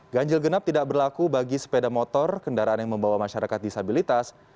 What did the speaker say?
ganjil genap tidak berlaku bagi sepeda motor kendaraan yang membawa masyarakat disabilitas